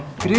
yuk yuk yuk